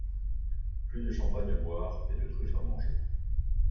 Plus de champagne à boire et de truffe à manger